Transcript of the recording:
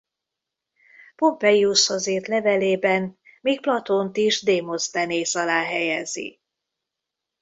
Pompeiushoz írt levélében még Platónt is Démoszthenész alá helyezi.